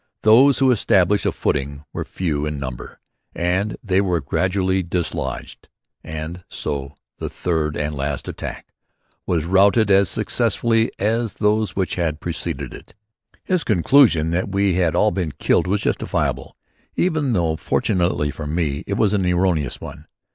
Those who established a footing were few in number, and they were gradually dislodged; and so the third and last attack was routed as successfully as those which had preceded it." His conclusion that we had all been killed was justifiable even though, fortunately for me, it was an erroneous one.